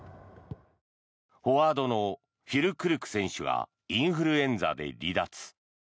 フォワードのフュルクルク選手がインフルエンザで離脱。